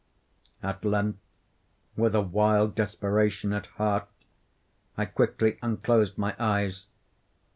At length, with a wild desperation at heart, I quickly unclosed my eyes.